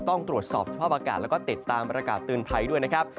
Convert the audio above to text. ต้องตรวจสอบสภาพอากาศแล้วก็ติดตามประกาศเตือนภัยด้วยนะครับ